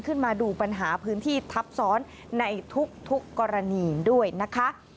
ขึ้นมาดูปัญหาพื้นที่ทับซ้อนในทุกกรณีด้วยนะคะ